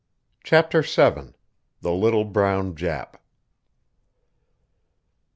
CHAPTER VII. THE LITTLE BROWN JAP.